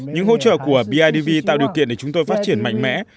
những hỗ trợ của bidv tạo điều kiện để chúng tôi phát triển mạnh mẽ